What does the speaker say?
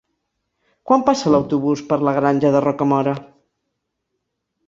Quan passa l'autobús per la Granja de Rocamora?